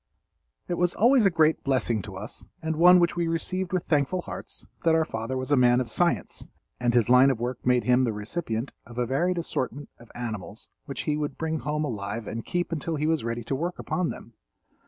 It was always a great blessing to us and one which we received with thankful hearts, that our father was a man of science, and his line of work made him the recipient of a varied assortment of animals which he would bring home alive and keep until he was ready to work upon them.